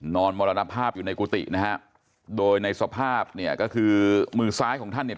มรณภาพอยู่ในกุฏินะฮะโดยในสภาพเนี่ยก็คือมือซ้ายของท่านเนี่ย